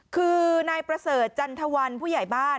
คือนายประเสริฐจันทวันผู้ใหญ่บ้าน